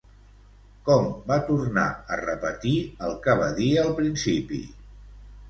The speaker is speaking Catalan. Com va tornar a repetir el que va dir al principi?